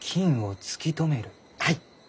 はい。